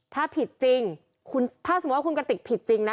ถ้าผิดจริงถ้าสมมุติว่าคุณกติกผิดจริงนะ